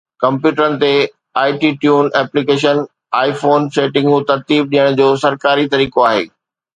ڪمپيوٽرن تي iTunes application iPhone سيٽنگون ترتيب ڏيڻ جو سرڪاري طريقو آهي